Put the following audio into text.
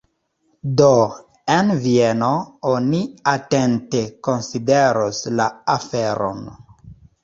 Do en Vieno oni atente konsideros la aferon.